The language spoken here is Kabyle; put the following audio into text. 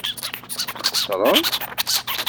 Txeṣṛeḍ.